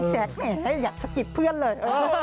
แจ๊กแหมให้อยากสกิดเพื่อนเลย